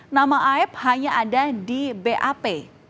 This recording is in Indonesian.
nama aib hanya ada di bap